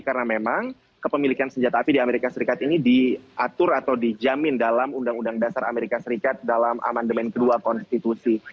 karena memang kepemilikan senjata api di amerika serikat ini diatur atau dijamin dalam undang undang dasar amerika serikat dalam amandemen kedua konstitusi